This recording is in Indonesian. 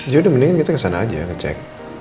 ya udah mendingan kita kesana aja ngecek